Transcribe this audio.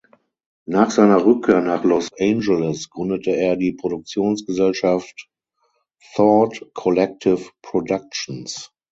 Nach seiner Rückkehr nach Los Angeles gründete er die Produktionsgesellschaft "Thought Collective Productions".